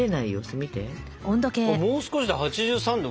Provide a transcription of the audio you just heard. もう少しで８３℃